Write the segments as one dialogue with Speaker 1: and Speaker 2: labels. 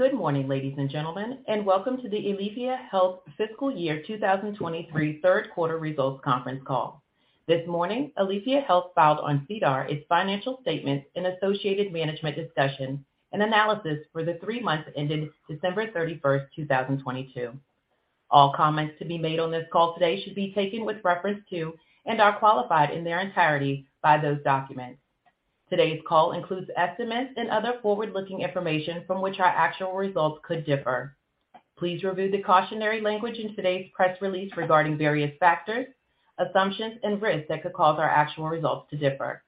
Speaker 1: Good morning, ladies and gentlemen, and welcome to the Aleafia Health Fiscal Year 2023 third quarter results conference call. This morning, Aleafia Health filed on SEDAR its financial statements and associated management discussion and analysis for the three months ended December 31st, 2022. All comments to be made on this call today should be taken with reference to and are qualified in their entirety by those documents. Today's call includes estimates and other forward-looking information from which our actual results could differ. Please review the cautionary language in today's press release regarding various factors, assumptions, and risks that could cause our actual results to differ.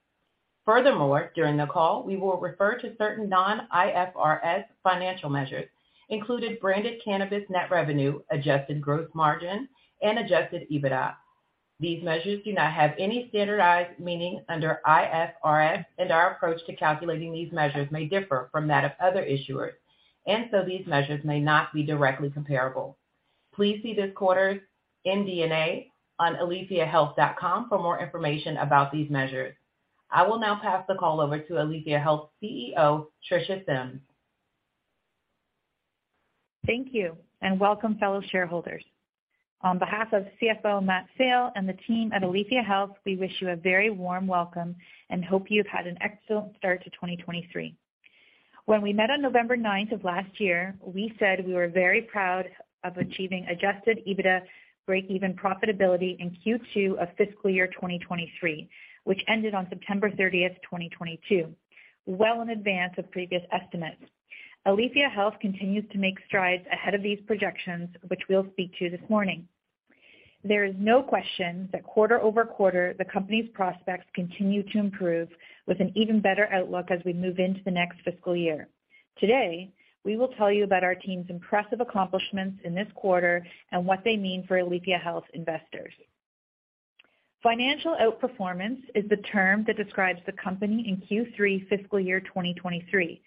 Speaker 1: Furthermore, during the call, we will refer to certain non-IFRS financial measures, including branded cannabis net revenue, adjusted gross margin, and adjusted EBITDA. These measures do not have any standardized meaning under IFRS. Our approach to calculating these measures may differ from that of other issuers, so these measures may not be directly comparable. Please see this quarter's MD&A on aleafiahealth.com for more information about these measures. I will now pass the call over to Aleafia Health's CEO, Tricia Symmes.
Speaker 2: Thank you, welcome, fellow shareholders. On behalf of CFO Matt Sale and the team at Aleafia Health, we wish you a very warm welcome and hope you've had an excellent start to 2023. When we met on November 9 of last year, we said we were very proud of achieving adjusted EBITDA breakeven profitability in Q2 of fiscal year 2023, which ended on September 30, 2022, well in advance of previous estimates. Aleafia Health continues to make strides ahead of these projections, which we'll speak to this morning. There is no question that quarter-over-quarter, the company's prospects continue to improve with an even better outlook as we move into the next fiscal year. Today, we will tell you about our team's impressive accomplishments in this quarter and what they mean for Aleafia Health investors. Financial outperformance is the term that describes the company in Q3 fiscal year 2023.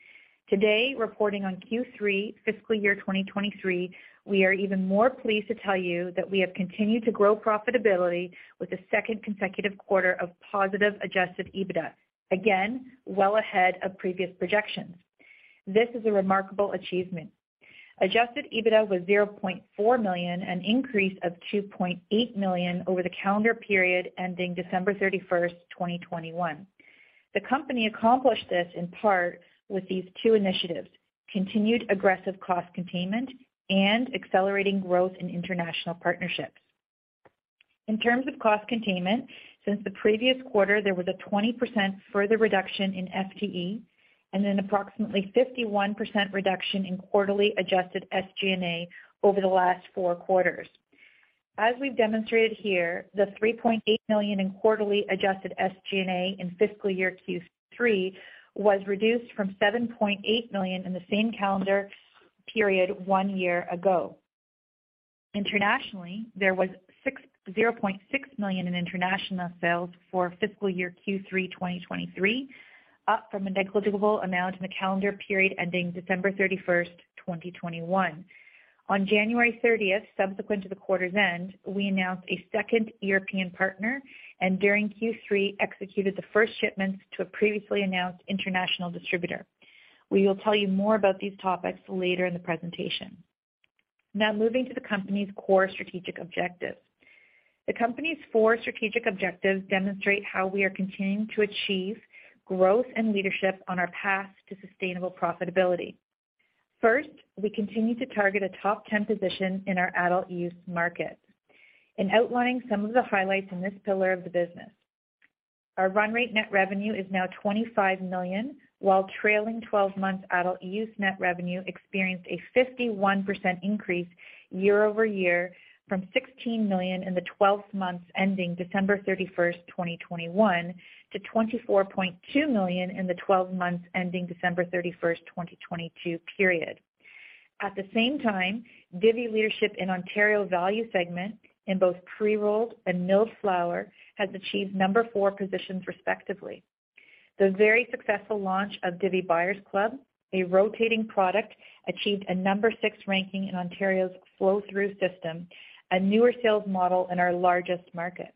Speaker 2: Today, reporting on Q3 fiscal year 2023, we are even more pleased to tell you that we have continued to grow profitability with a second consecutive quarter of positive adjusted EBITDA. Again, well ahead of previous projections. This is a remarkable achievement. Adjusted EBITDA was 0.4 million, an increase of 2.8 million over the calendar period ending December 31, 2021. The company accomplished this in part with these two initiatives, continued aggressive cost containment and accelerating growth in international partnerships. In terms of cost containment, since the previous quarter, there was a 20% further reduction in FTE and an approximately 51% reduction in quarterly adjusted SG&A over the last four quarters. As we've demonstrated here, the 3.8 million in quarterly adjusted SG&A in fiscal year Q3 was reduced from 7.8 million in the same calendar period one year ago. Internationally, there was 0.6 million in international sales for fiscal year Q3 2023, up from a negligible amount in the calendar period ending December 31, 2021. On January 30, subsequent to the quarter's end, we announced a second European partner, and during Q3, executed the first shipments to a previously announced international distributor. We will tell you more about these topics later in the presentation. Moving to the company's core strategic objectives. The company's four strategic objectives demonstrate how we are continuing to achieve growth and leadership on our path to sustainable profitability. First, we continue to target a top 10 position in our adult use market. In outlining some of the highlights in this pillar of the business, our run rate net revenue is now 25 million, while trailing 12 months adult use net revenue experienced a 51% increase year over year from 16 million in the 12 months ending December 31, 2021, to 24.2 million in the 12 months ending December 31, 2022 period. At the same time, Divvy leadership in Ontario value segment in both pre-rolled and milled flower has achieved number four positions respectively. The very successful launch of Divvy Buyers Club, a rotating product, achieved a number six ranking in Ontario's flow-through system, a newer sales model in our largest market.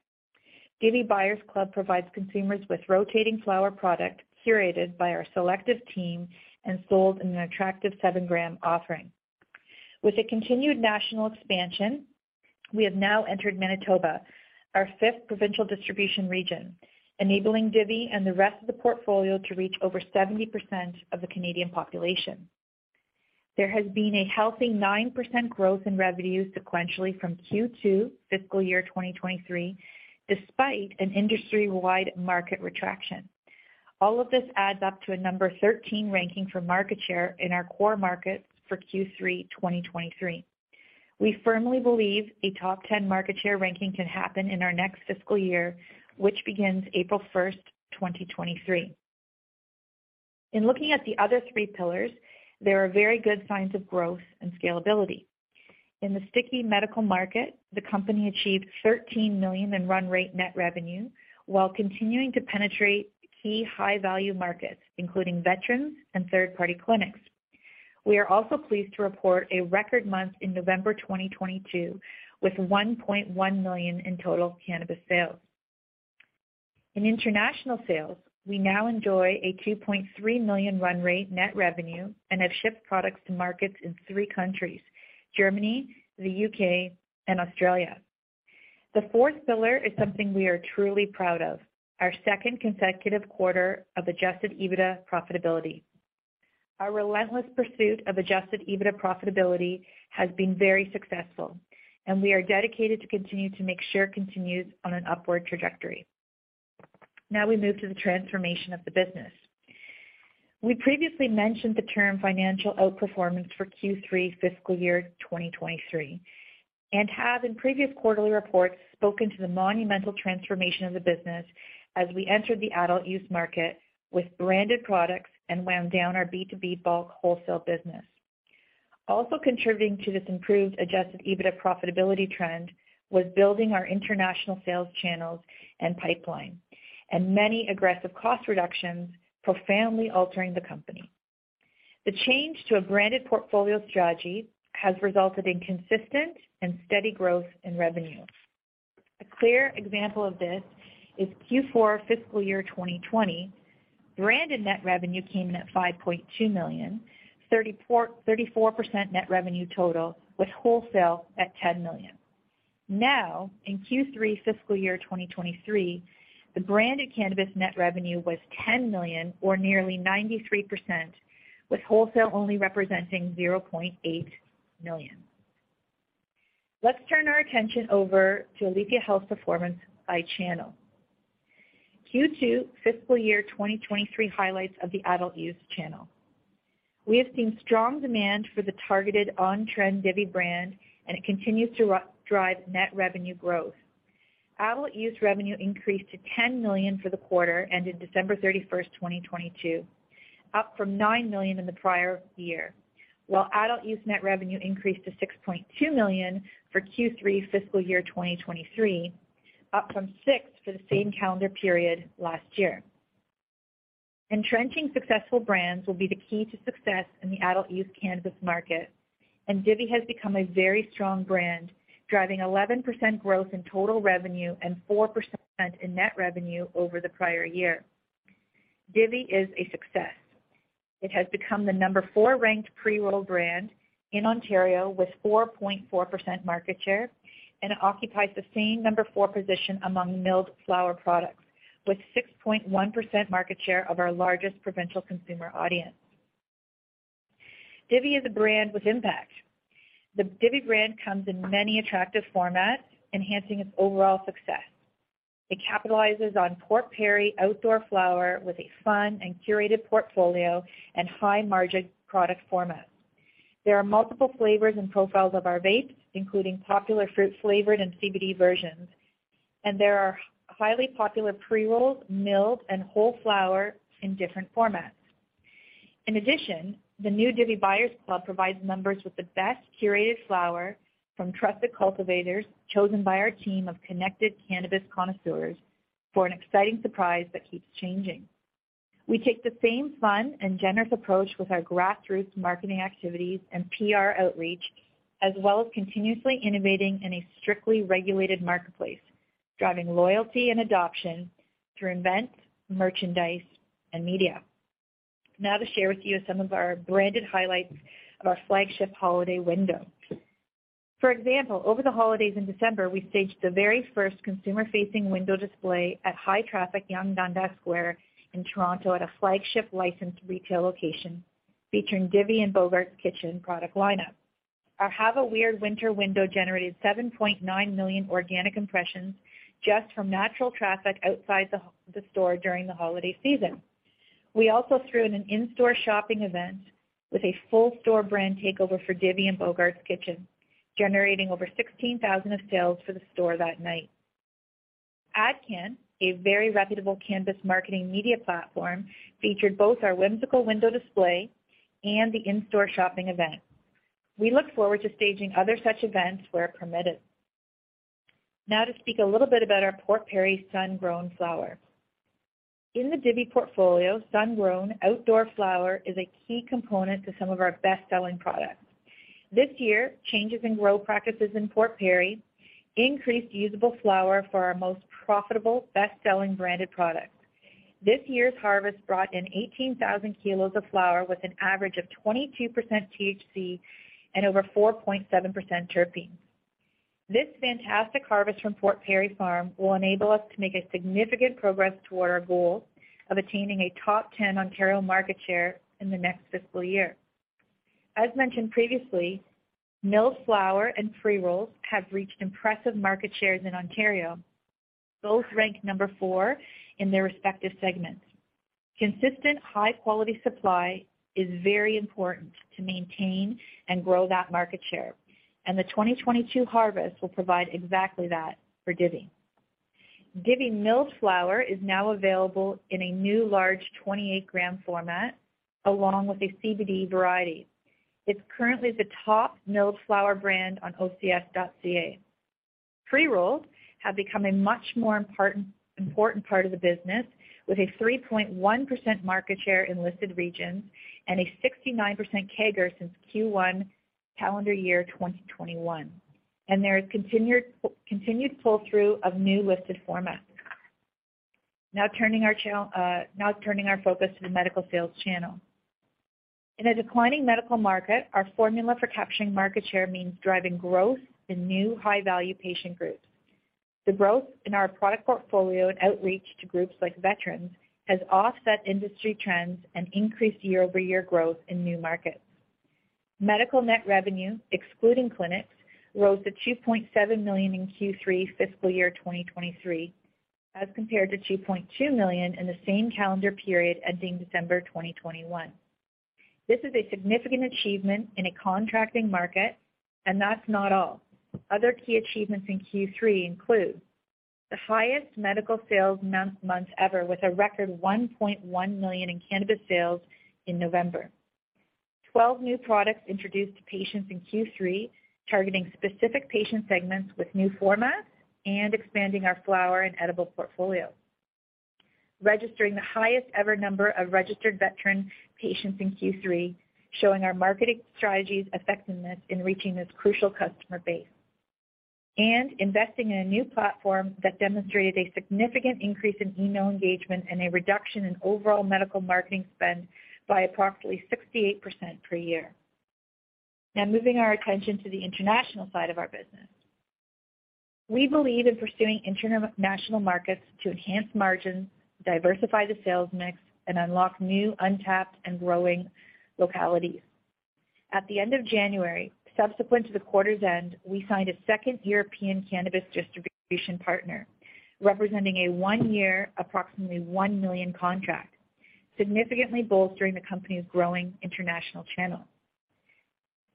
Speaker 2: Divvy Buyers Club provides consumers with rotating flower product curated by our selective team and sold in an attractive seven-gram offering. With a continued national expansion, we have now entered Manitoba, our fifth provincial distribution region, enabling Divvy and the rest of the portfolio to reach over 70% of the Canadian population. There has been a healthy 9% growth in revenue sequentially from Q2 fiscal year 2023, despite an industry-wide market retraction. All of this adds up to a number 13 ranking for market share in our core markets for Q3 2023. We firmly believe a top 10 market share ranking can happen in our next fiscal year, which begins April 1, 2023. In looking at the other three pillars, there are very good signs of growth and scalability. In the sticky medical market, the company achieved 13 million in run rate net revenue while continuing to penetrate key high-value markets, including veterans and third-party clinics. We are also pleased to report a record month in November 2022, with 1.1 million in total cannabis sales. In international sales, we now enjoy a 2.3 million run rate net revenue and have shipped products to markets in three countries, Germany, the U.K., and Australia. The fourth pillar is something we are truly proud of, our second consecutive quarter of adjusted EBITDA profitability. Our relentless pursuit of adjusted EBITDA profitability has been very successful, and we are dedicated to continue to make sure it continues on an upward trajectory. Now we move to the transformation of the business. We previously mentioned the term financial outperformance for Q3 fiscal year 2023, and have in previous quarterly reports spoken to the monumental transformation of the business as we entered the adult use market with branded products and wound down our B2B bulk wholesale business. Also contributing to this improved adjusted EBITDA profitability trend was building our international sales channels and pipeline and many aggressive cost reductions profoundly altering the company. The change to a branded portfolio strategy has resulted in consistent and steady growth in revenue. A clear example of this is Q4 fiscal year 2020. Branded net revenue came in at 5.2 million, 34% net revenue total, with wholesale at 10 million. Now, in Q3 fiscal year 2023, the branded cannabis net revenue was 10 million or nearly 93%, with wholesale only representing 0.8 million. Let's turn our attention over to Aleafia Health performance by channel. Q2 fiscal year 2023 highlights of the adult use channel. We have seen strong demand for the targeted on-trend Divvy brand, and it continues to drive net revenue growth. Adult use revenue increased to 10 million for the quarter ended December 31, 2022, up from 9 million in the prior year. While adult use net revenue increased to 6.2 million for Q3 fiscal year 2023, up from 6 million for the same calendar period last year. Entrenching successful brands will be the key to success in the adult use cannabis market, and Divvy has become a very strong brand, driving 11% growth in total revenue and 4% in net revenue over the prior year. Divvy is a success. It has become the number four ranked pre-roll brand in Ontario with 4.4% market share, and it occupies the same number four position among milled flower products with 6.1% market share of our largest provincial consumer audience. Divvy is a brand with impact. The Divvy brand comes in many attractive formats, enhancing its overall success. It capitalizes on Port Perry outdoor flower with a fun and curated portfolio and high-margin product formats. There are multiple flavors and profiles of our vapes, including popular fruit flavored and CBD versions, and there are highly popular pre-rolls, milled and whole flower in different formats. In addition, the new Divvy Buyers Club provides members with the best curated flower from trusted cultivators chosen by our team of connected cannabis connoisseurs for an exciting surprise that keeps changing. We take the same fun and generous approach with our grassroots marketing activities and PR outreach, as well as continuously innovating in a strictly regulated marketplace, driving loyalty and adoption through events, merchandise, and media. Now to share with you some of our branded highlights of our flagship holiday window. For example, over the holidays in December, we staged the very first consumer-facing window display at high-traffic Yonge-Dundas Square in Toronto at a flagship licensed retail location featuring Divvy and Bogart's Kitchen product lineup. Our Have a Weird Winter window generated 7.9 million organic impressions just from natural traffic outside the store during the holiday season. We also threw in an in-store shopping event with a full store brand takeover for Divvy and Bogart's Kitchen, generating over 16,000 of sales for the store that night. ADCANN, a very reputable cannabis marketing media platform, featured both our whimsical window display and the in-store shopping event. We look forward to staging other such events where permitted. To speak a little bit about our Port Perry sun-grown flower. In the Divvy portfolio, sun-grown outdoor flower is a key component to some of our best-selling products. This year, changes in grow practices in Port Perry increased usable flower for our most profitable, best-selling branded products. This year's harvest brought in 18,000 kilos of flower with an average of 22% THC and over 4.7% terpenes. This fantastic harvest from Port Perry Farm will enable us to make significant progress toward our goal of attaining a top 10 Ontario market share in the next fiscal year. As mentioned previously, milled flower and pre-rolls have reached impressive market shares in Ontario. Both rank number four in their respective segments. Consistent high-quality supply is very important to maintain and grow that market share, and the 2022 harvest will provide exactly that for Divvy. Divi milled flower is now available in a new large 28-gram format along with a CBD variety. It's currently the top milled flower brand on OCS.ca. Pre-rolls have become a much more important part of the business with a 3.1% market share in listed regions and a 69% CAGR since Q1 calendar year 2021. There is continued pull-through of new listed formats. Now turning our focus to the medical sales channel. In a declining medical market, our formula for capturing market share means driving growth in new high-value patient groups. The growth in our product portfolio and outreach to groups like veterans has offset industry trends and increased year-over-year growth in new markets. Medical net revenue, excluding clinics, rose to 2.7 million in Q3 fiscal year 2023, as compared to 2.2 million in the same calendar period ending December 2021. This is a significant achievement in a contracting market, and that's not all. Other key achievements in Q3 include the highest medical sales month ever, with a record 1.1 million in cannabis sales in November. 12 new products introduced to patients in Q3, targeting specific patient segments with new formats and expanding our flower and edible portfolio. Registering the highest ever number of registered veteran patients in Q3, showing our marketing strategy's effectiveness in reaching this crucial customer base. Investing in a new platform that demonstrated a significant increase in email engagement and a reduction in overall medical marketing spend by approximately 68% per year. Now moving our attention to the international side of our business. We believe in pursuing international markets to enhance margins, diversify the sales mix, and unlock new, untapped and growing localities. At the end of January, subsequent to the quarter's end, we signed a second European cannabis distribution partner, representing a one-year, approximately 1 million contract, significantly bolstering the company's growing international channel.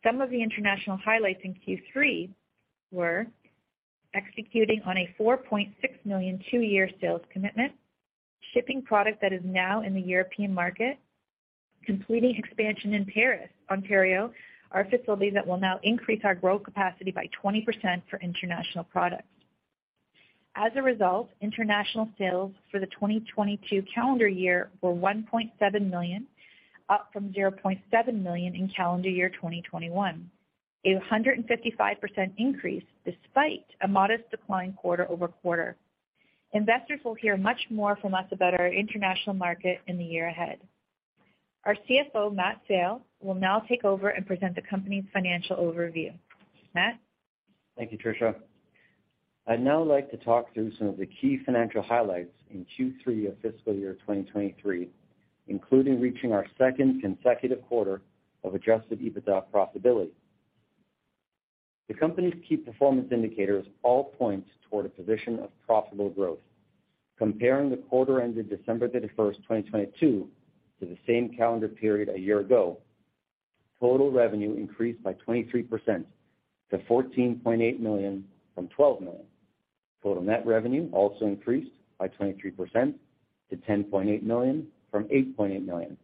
Speaker 2: Some of the international highlights in Q3 were executing on a 4.6 million two-year sales commitment. Shipping product that is now in the European market. Completing expansion in Paris, Ontario, our facility that will now increase our growth capacity by 20% for international products. As a result, international sales for the 2022 calendar year were 1.7 million, up from 0.7 million in calendar year 2021. A 155% increase despite a modest decline quarter-over-quarter. Investors will hear much more from us about our international market in the year ahead. Our CFO, Matt Sale, will now take over and present the company's financial overview. Matt?
Speaker 3: Thank you, Tricia. I'd now like to talk through some of the key financial highlights in Q3 of fiscal year 2023, including reaching our second consecutive quarter of adjusted EBITDA profitability. The company's key performance indicators all point toward a position of profitable growth. Comparing the quarter ended December 31st, 2022 to the same calendar period a year ago, total revenue increased by 23% to 14.8 million from 12 million. Total net revenue also increased by 23% to 10.8 million from 8.8 million.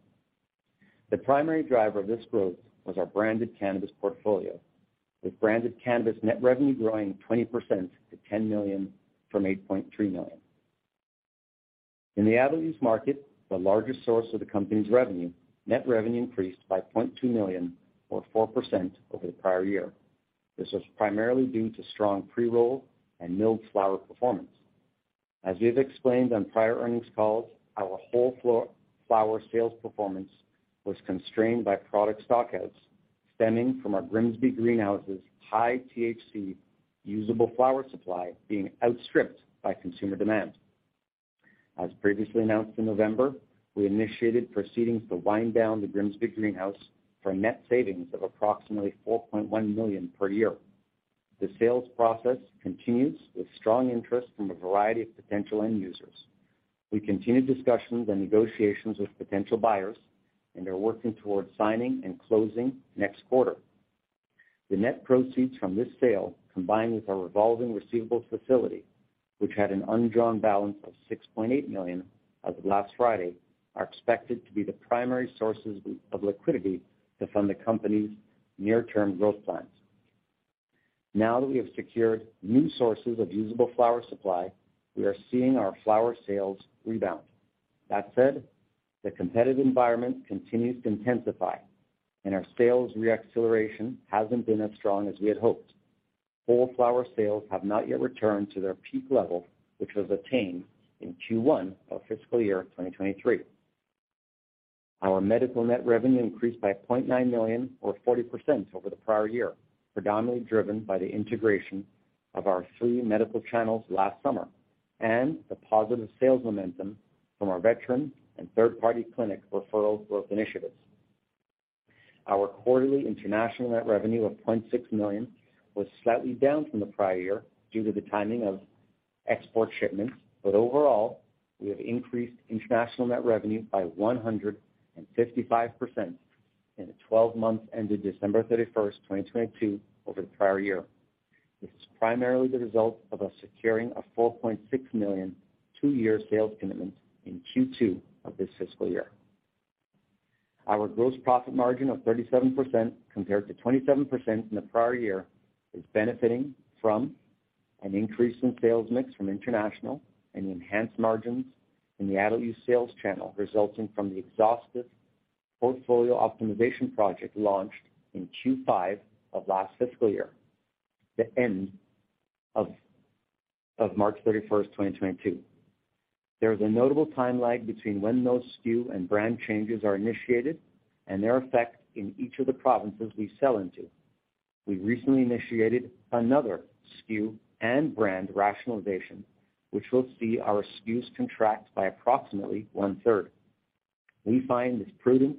Speaker 3: The primary driver of this growth was our branded cannabis portfolio, with branded cannabis net revenue growing 20% to 10 million from 8.3 million. In the adult use market, the largest source of the company's revenue, net revenue increased by 0.2 million or 4% over the prior year. This was primarily due to strong pre-roll and milled flower performance. As we have explained on prior earnings calls, our whole flow-flower sales performance was constrained by product stockouts stemming from our Grimsby Greenhouse's high-THC usable flower supply being outstripped by consumer demand. As previously announced in November, we initiated proceedings to wind down the Grimsby Greenhouse for net savings of approximately 4.1 million per year. The sales process continues with strong interest from a variety of potential end users. We continue discussions and negotiations with potential buyers and are working towards signing and closing next quarter. The net proceeds from this sale, combined with our revolving receivables facility, which had an undrawn balance of 6.8 million as of last Friday, are expected to be the primary sources of liquidity to fund the company's near-term growth plans. Now that we have secured new sources of usable flower supply, we are seeing our flower sales rebound. That said, the competitive environment continues to intensify, and our sales re-acceleration hasn't been as strong as we had hoped. Whole flower sales have not yet returned to their peak level, which was attained in Q1 of fiscal year 2023. Our medical net revenue increased by 0.9 million or 40% over the prior year, predominantly driven by the integration of our three medical channels last summer and the positive sales momentum from our veteran and third-party clinic referral growth initiatives. Our quarterly international net revenue of 0.6 million was slightly down from the prior year due to the timing of export shipments. Overall, we have increased international net revenue by 155% in the 12 months ended December 31, 2022 over the prior year. This is primarily the result of us securing a 4.6 million two-year sales commitment in Q2 of this fiscal year. Our gross profit margin of 37% compared to 27% in the prior year is benefiting from an increase in sales mix from international and the enhanced margins in the adult use sales channel, resulting from the exhaustive portfolio optimization project launched in Q5 of last fiscal year, the end of March 31, 2022. There is a notable time lag between when those SKU and brand changes are initiated and their effect in each of the provinces we sell into. We recently initiated another SKU and brand rationalization, which will see our SKUs contract by approximately one-third. We find this prudent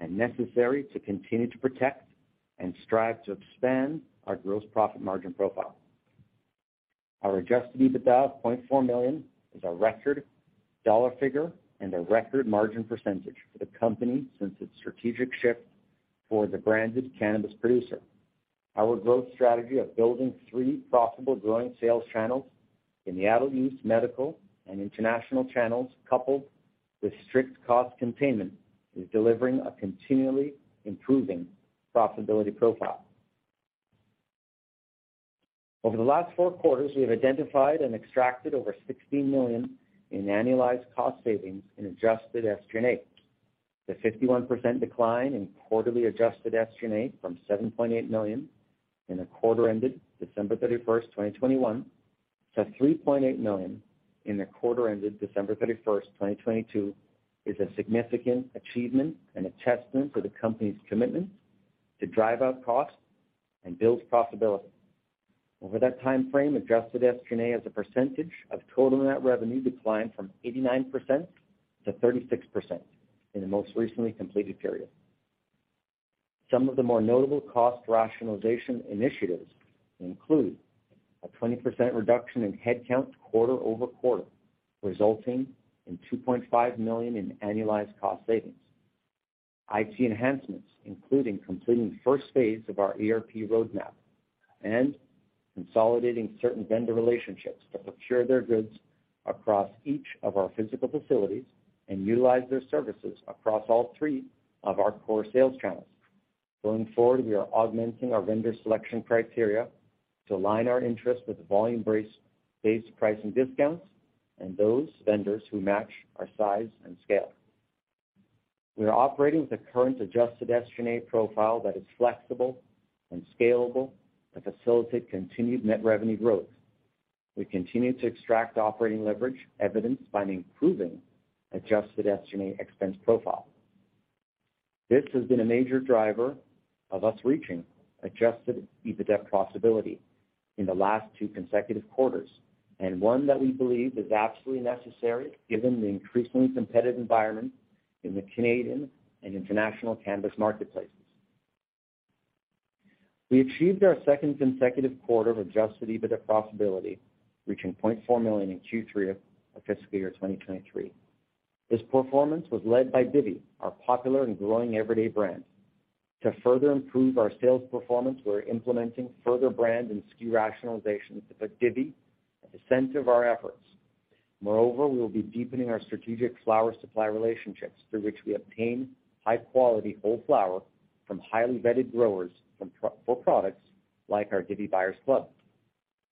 Speaker 3: and necessary to continue to protect and strive to expand our gross profit margin profile. Our adjusted EBITDA of 0.4 million is a record dollar figure and a record margin percentage for the company since its strategic shift for the branded cannabis producer. Our growth strategy of building three profitable growing sales channels in the adult use, medical, and international channels, coupled with strict cost containment, is delivering a continually improving profitability profile. Over the last four quarters, we have identified and extracted over 16 million in annualized cost savings in adjusted SG&A. The 51% decline in quarterly adjusted SG&A from 7.8 million in the quarter ended December thirty-first, 2021, to 3.8 million in the quarter ended December thirty-first, 2022, is a significant achievement and a testament to the company's commitment to drive out costs and build profitability. Over that time frame, adjusted SG&A as a percentage of total net revenue declined from 89% to 36% in the most recently completed period. Some of the more notable cost rationalization initiatives include a 20% reduction in headcount quarter-over-quarter, resulting in 2.5 million in annualized cost savings. IT enhancements, including completing the first phase of our ERP roadmap. Consolidating certain vendor relationships to procure their goods across each of our physical facilities and utilize their services across all three of our core sales channels. Going forward, we are augmenting our vendor selection criteria to align our interests with volume-based pricing discounts and those vendors who match our size and scale. We are operating with a current adjusted SG&A profile that is flexible and scalable to facilitate continued net revenue growth. We continue to extract operating leverage evidenced by an improving adjusted SG&A expense profile. This has been a major driver of us reaching adjusted EBITDA profitability in the last two consecutive quarters, and one that we believe is absolutely necessary given the increasingly competitive environment in the Canadian and international cannabis marketplaces. We achieved our second consecutive quarter of adjusted EBITDA profitability, reaching 0.4 million in Q3 of fiscal year 2023. This performance was led by Divvy, our popular and growing everyday brand. To further improve our sales performance, we're implementing further brand and SKU rationalization with Divvy at the center of our efforts. Moreover, we will be deepening our strategic flower supply relationships through which we obtain high quality whole flower from highly vetted growers for products like our Divvy Buyers Club.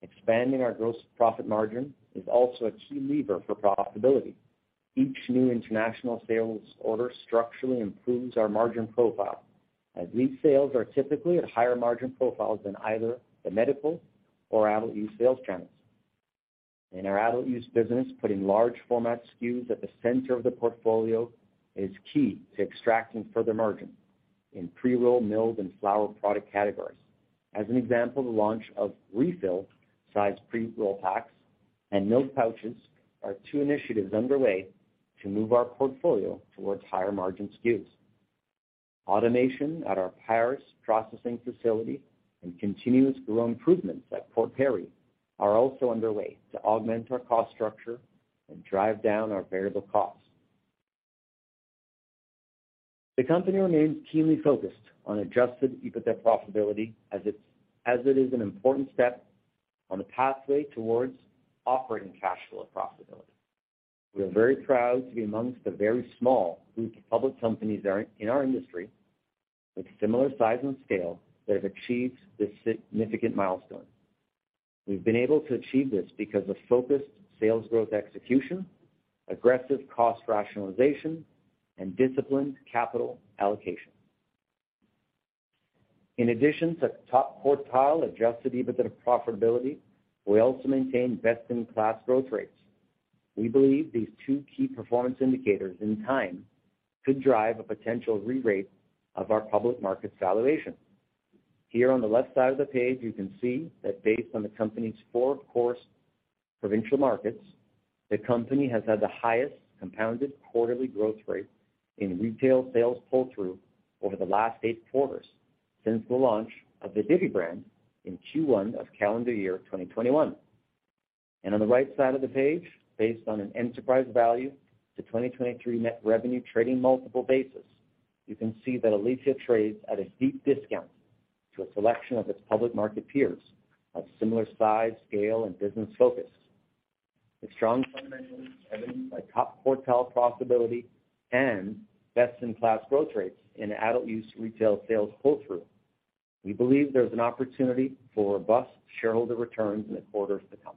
Speaker 3: Expanding our gross profit margin is also a key lever for profitability. Each new international sales order structurally improves our margin profile, as these sales are typically at higher margin profiles than either the medical or adult use sales channels. In our adult use business, putting large format SKUs at the center of the portfolio is key to extracting further margin in pre-roll, milled, and flower product categories. As an example, the launch of refill sized pre-roll packs and milled pouches are two initiatives underway to move our portfolio towards higher margin SKUs. Automation at our Paris processing facility and continuous grow improvements at Port Perry are also underway to augment our cost structure and drive down our variable costs. The company remains keenly focused on adjusted EBITDA profitability as it is an important step on the pathway towards operating cash flow profitability. We are very proud to be amongst the very small group of public companies in our industry with similar size and scale that have achieved this significant milestone. We've been able to achieve this because of focused sales growth execution, aggressive cost rationalization, and disciplined capital allocation. In addition to top quartile adjusted EBITDA profitability, we also maintain best-in-class growth rates. We believe these two key performance indicators in time could drive a potential re-rate of our public market valuation. Here on the left side of the page, you can see that based on the company's four course provincial markets, the company has had the highest compounded quarterly growth rate in retail sales pull-through over the last eight quarters since the launch of the Divvy brand in Q1 of calendar year 2021. On the right side of the page, based on an enterprise value to 2023 net revenue trading multiple basis, you can see that Aleafia trades at a steep discount to a selection of its public market peers of similar size, scale, and business focus. With strong fundamentals evidenced by top quartile profitability and best-in-class growth rates in adult use retail sales pull-through, we believe there's an opportunity for robust shareholder returns in the quarters to come.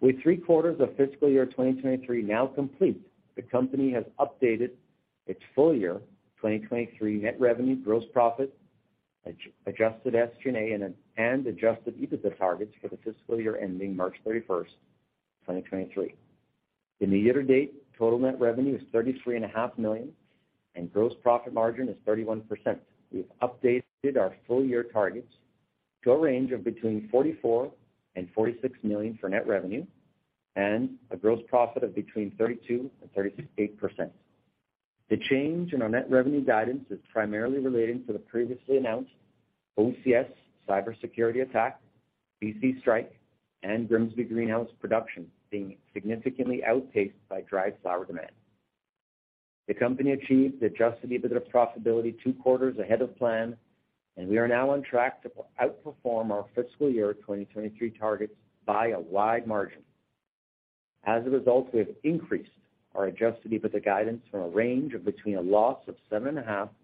Speaker 3: With three quarters of fiscal year 2023 now complete, the company has updated its full year 2023 net revenue, gross profit, adjusted SG&A, and adjusted EBITDA targets for the fiscal year ending March 31st, 2023. In the year-to-date, total net revenue is 33 and a half million, and gross profit margin is 31%. We've updated our full year targets to a range of between 44 million and 46 million for net revenue and a gross profit of between 32% and 38%. The change in our net revenue guidance is primarily relating to the previously announced OCS cybersecurity attack, BC strike, and Grimsby greenhouse production being significantly outpaced by dry flower demand. The company achieved adjusted EBITDA profitability two quarters ahead of plan. We are now on track to outperform our fiscal year 2023 targets by a wide margin. As a result, we have increased our adjusted EBITDA guidance from a range of between a loss of seven and a half million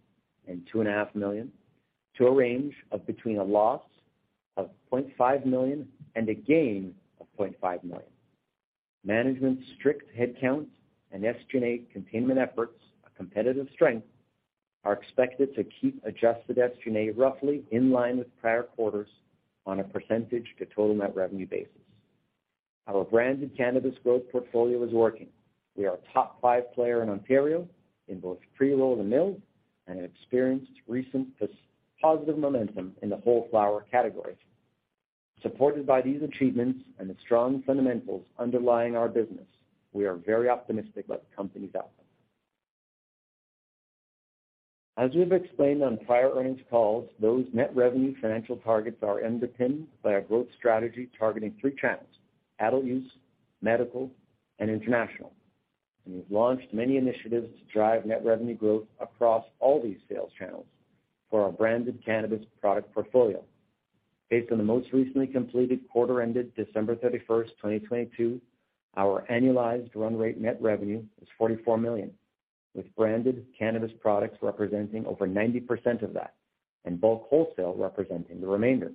Speaker 3: and two point a half million, to a range of between a loss of 0.5 million and a gain of 0.5 million. Management's strict headcount and SG&A containment efforts, a competitive strength, are expected to keep adjusted SG&A roughly in line with prior quarters on a percentage to total net revenue basis. Our branded cannabis growth portfolio is working. We are a top five player in Ontario in both pre-roll and milled, and have experienced recent pos-positive momentum in the whole flower categories. Supported by these achievements and the strong fundamentals underlying our business, we are very optimistic about the company's outcome. As we have explained on prior earnings calls, those net revenue financial targets are underpinned by our growth strategy targeting three channels: adult use, medical, and international. We've launched many initiatives to drive net revenue growth across all these sales channels for our branded cannabis product portfolio. Based on the most recently completed quarter ended December 31st, 2022, our annualized run rate net revenue was 44 million, with branded cannabis products representing over 90% of that and bulk wholesale representing the remainder.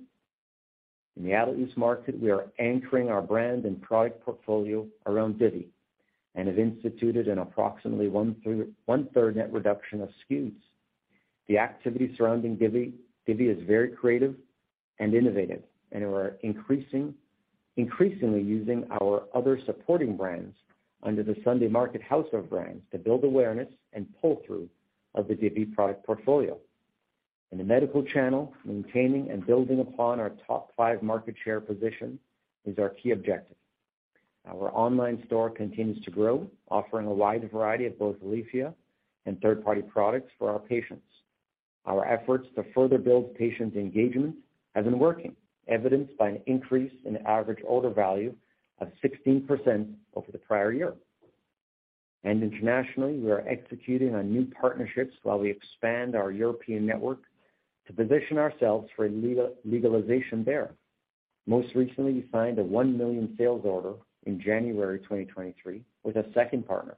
Speaker 3: In the adult use market, we are anchoring our brand and product portfolio around Divvy and have instituted an approximately 1/3, 1/3 net reduction of SKUs. The activity surrounding Divvy is very creative and innovative, and we're increasingly using our other supporting brands under the Sunday Market house of brands to build awareness and pull-through of the Divvy product portfolio. In the medical channel, maintaining and building upon our top five market share position is our key objective. Our online store continues to grow, offering a wide variety of both Aleafia and third-party products for our patients. Our efforts to further build patient engagement have been working, evidenced by an increase in average order value of 16% over the prior year. Internationally, we are executing on new partnerships while we expand our European network to position ourselves for legalization there. Most recently, we signed a 1 million sales order in January 2023 with a second partner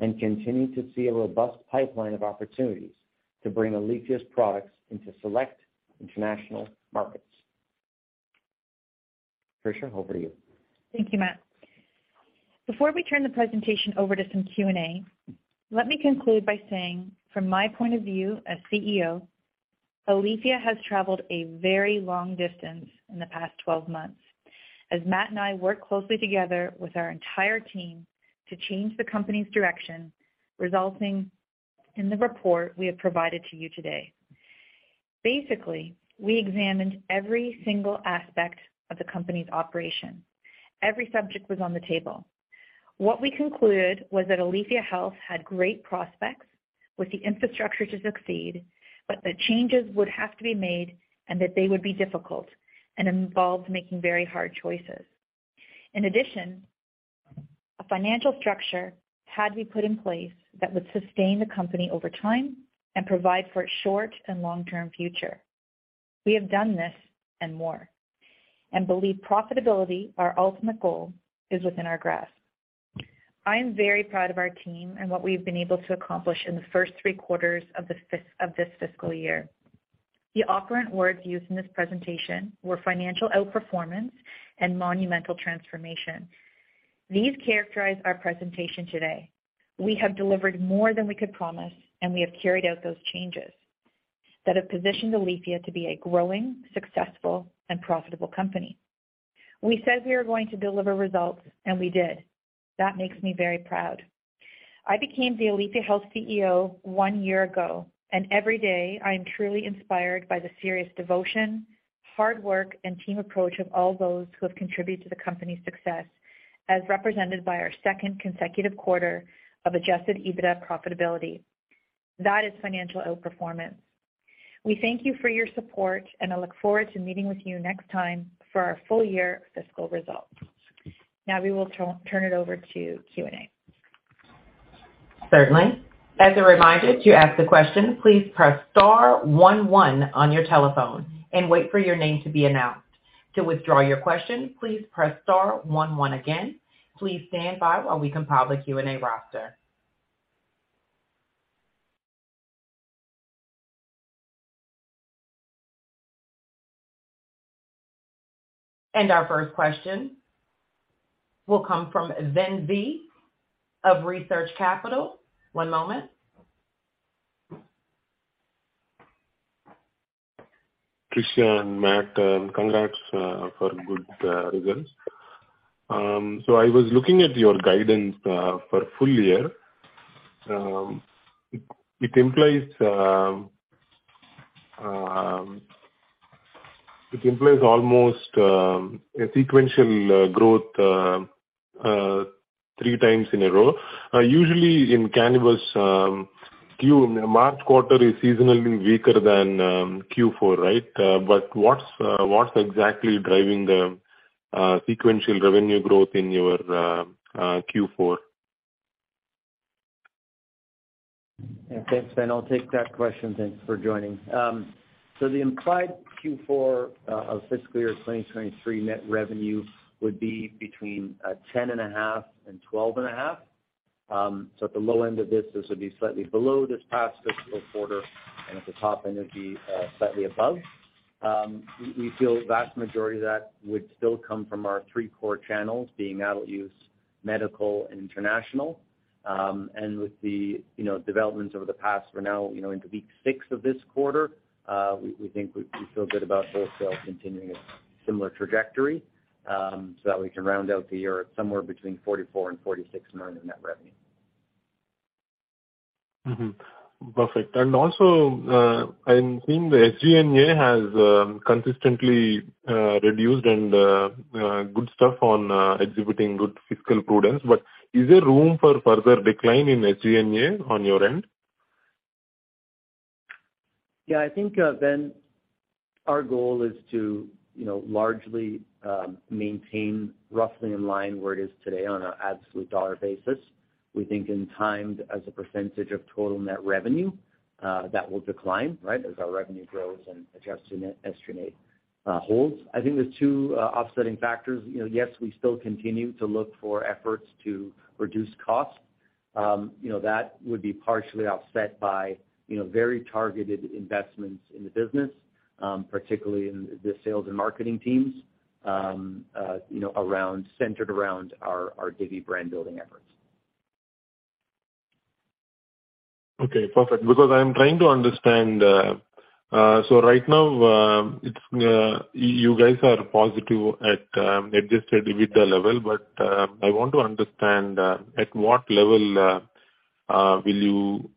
Speaker 3: and continue to see a robust pipeline of opportunities to bring Aleafia's products into select international markets. Tricia, over to you.
Speaker 2: Thank you, Matt. Before we turn the presentation over to some Q&A, let me conclude by saying from my point of view as CEO, Aleafia has traveled a very long distance in the past 12 months as Matt and I work closely together with our entire team to change the company's direction, resulting in the report we have provided to you today. Basically, we examined every single aspect of the company's operation. Every subject was on the table. What we concluded was that Aleafia Health had great prospects with the infrastructure to succeed, that changes would have to be made and that they would be difficult and involved making very hard choices. In addition, a financial structure had to be put in place that would sustain the company over time and provide for its short and long-term future. We have done this and more, and believe profitability, our ultimate goal, is within our grasp. I am very proud of our team and what we've been able to accomplish in the first three quarters of this fiscal year. The operant words used in this presentation were financial outperformance and monumental transformation. These characterize our presentation today. We have delivered more than we could promise, and we have carried out those changes that have positioned Aleafia to be a growing, successful, and profitable company. We said we were going to deliver results, and we did. That makes me very proud. I became the Aleafia Health CEO one year ago, and every day I am truly inspired by the serious devotion, hard work, and team approach of all those who have contributed to the company's success, as represented by our second consecutive quarter of adjusted EBITDA profitability. That is financial outperformance. We thank you for your support, and I look forward to meeting with you next time for our full year fiscal results. Now we will turn it over to Q&A.
Speaker 1: Certainly. As a reminder, to ask a question, please press star one one on your telephone and wait for your name to be announced. To withdraw your question, please press star one one again. Please stand by while we compile the Q&A roster. Our first question will come from Ven V of Research Capital. One moment.
Speaker 4: Tricia and Matt, congrats, for good results. I was looking at your guidance for full year. It implies almost a sequential growth three times in a row. Usually in cannabis, March quarter is seasonally weaker than Q4, right? What's exactly driving the sequential revenue growth in your Q4?
Speaker 3: Yeah. Thanks, Ven. I'll take that question. Thanks for joining. The implied Q4 of fiscal year 2023 net revenue would be between ten and a half million and twelve and a half million. At the low end of this would be slightly below this past fiscal quarter, and at the top end, it'd be slightly above. We feel the vast majority of that would still come from our three core channels being adult use, medical, and international. With the, you know, developments over the past, we're now, you know, into week six of this quarter, we think we feel good about wholesale continuing a similar trajectory, so that we can round out the year somewhere between 44 million and 46 million in net revenue.
Speaker 4: Perfect. I'm seeing the SG&A has consistently reduced and good stuff on exhibiting good fiscal prudence. Is there room for further decline in SG&A on your end?
Speaker 3: Yeah, I think, Ven, our goal is to, you know, largely maintain roughly in line where it is today on a absolute dollar basis. We think in timed as a % of total net revenue, that will decline, right? As our revenue grows and adjusted net SG&A holds. I think there's 2 offsetting factors. You know, yes, we still continue to look for efforts to reduce costs. You know, that would be partially offset by, you know, very targeted investments in the business, particularly in the sales and marketing teams, centered around our Divvy brand building efforts.
Speaker 4: Okay, perfect. I'm trying to understand, right now, it's you guys are positive at adjusted EBITDA level. I want to understand at what level will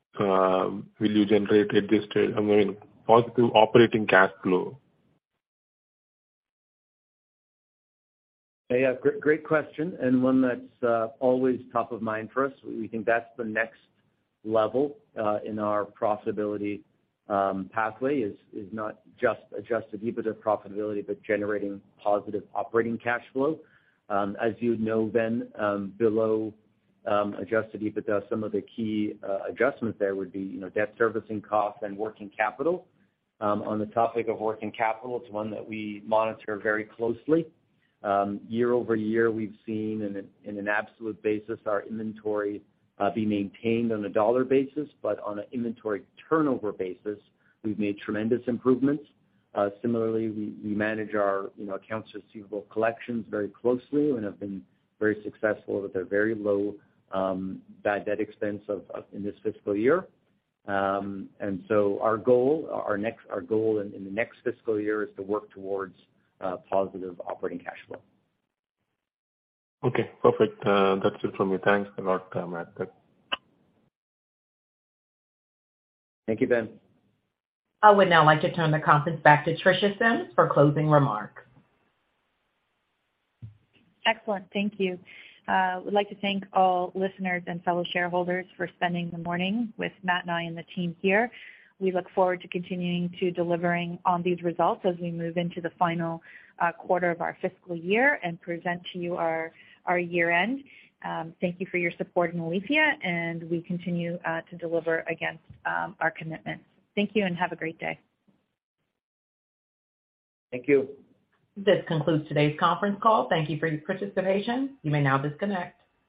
Speaker 4: you generate adjusted, I mean, positive operating cash flow?
Speaker 3: Yeah. Great question, and one that's always top of mind for us. We think that's the next level in our profitability pathway, is not just adjusted EBITDA profitability, but generating positive operating cash flow. As you know, Ven, below adjusted EBITDA, some of the key adjustments there would be, you know, debt servicing costs and working capital. On the topic of working capital, it's one that we monitor very closely. Year-over-year, we've seen in an absolute basis our inventory be maintained on a dollar basis, but on an inventory turnover basis, we've made tremendous improvements. Similarly, we manage our, you know, accounts receivable collections very closely and have been very successful with a very low bad debt expense in this fiscal year. Our goal in the next fiscal year is to work towards positive operating cash flow.
Speaker 4: Okay, perfect. That's it from me. Thanks a lot, Matt.
Speaker 3: Thank you, Ven.
Speaker 1: I would now like to turn the conference back to Tricia Symmes for closing remarks.
Speaker 2: Excellent. Thank you. Would like to thank all listeners and fellow shareholders for spending the morning with Matt and I and the team here. We look forward to continuing to delivering on these results as we move into the final quarter of our fiscal year and present to you our year-end. Thank you for your support in Aleafia, we continue to deliver against our commitments. Thank you, and have a great day.
Speaker 3: Thank you.
Speaker 1: This concludes today's conference call. Thank you for your participation. You may now disconnect.